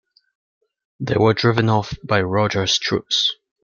They were driven off by Rogers' troops.